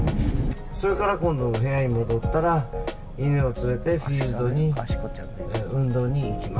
「それから今度部屋に戻ったら犬を連れてフィールドに運動に行きます」